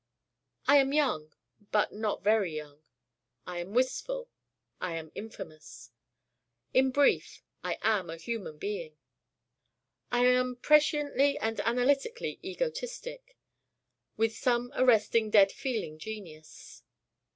I am young, but not very young. I am wistful I am infamous. In brief, I am a human being. I am presciently and analytically egotistic, with some arresting dead feeling genius.